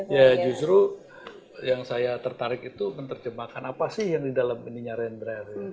ya justru yang saya tertarik itu menerjemahkan apa sih yang di dalam ininya rendra